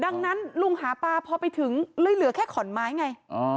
ดังนั้นลุงหาปลาพอไปถึงเลยเหลือแค่ขอนไม้ไง